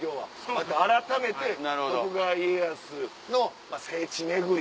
またあらためて徳川家康の聖地巡り。